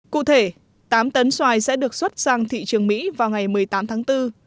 cụ thể tám tấn xoài sẽ được xuất sang thị trường mỹ vào ngày một mươi tám tháng bốn